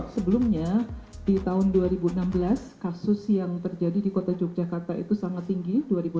sebelumnya di tahun dua ribu enam belas kasus yang terjadi di kota yogyakarta itu sangat tinggi